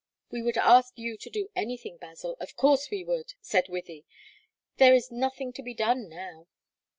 "We would ask you to do anything, Basil; of course we would," said Wythie. "There is nothing to be done now."